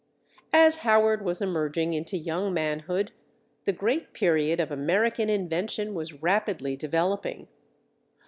As Howard was emerging into young manhood, the great period of American invention was rapidly developing.